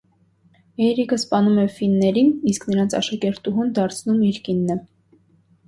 Էիրիկը սպանում է ֆիններին, իսկ նրանց աշակերտուհուն դարձնում է իր կինը։